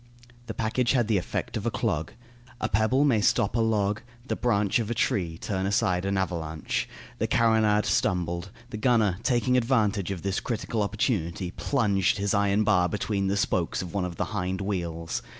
The package had the effect of a clog. A pebble may stop a log, the branch of a tree turn aside an avalanche. The carronade stumbled. The gunner, taking advantage of this critical opportunity, plunged his iron bar between the spokes of one of the hind wheels.